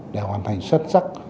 để hoàn thành xuất sắc